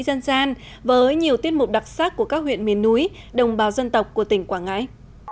dân gian với nhiều tiết mục đặc sắc của các huyện miền núi đồng bào dân tộc của tỉnh quảng ngãi